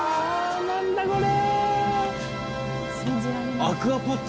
何だこれ。